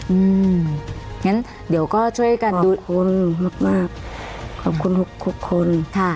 อืมงั้นเดี๋ยวก็ช่วยกันดูขอบคุณมากขอบคุณทุกคนค่ะ